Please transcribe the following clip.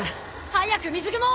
早く水雲を！